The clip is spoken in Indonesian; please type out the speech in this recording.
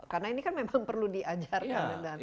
karena ini kan memang perlu diajarkan